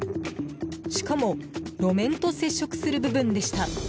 しかも、路面と接触する部分でした。